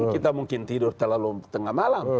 kita mungkin tidur terlalu tengah malam